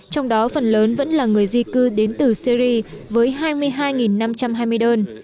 trong đó phần lớn vẫn là người di cư đến từ syri với hai mươi hai năm trăm hai mươi đơn